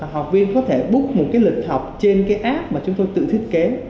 học viên có thể book một lịch học trên cái app mà chúng tôi tự thiết kế